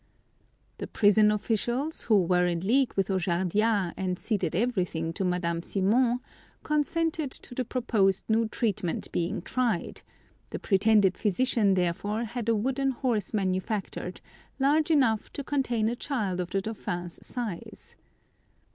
The prison officials, who were in league with Ojardias, and ceded everything to Madame Simon, consented to the proposed new treatment being tried; the pretended physician therefore had a wooden horse manufactured large enough to contain a child of the dauphin's size.